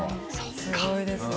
すごいですよ。